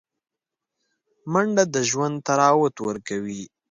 منډه د ژوند طراوت ورکوي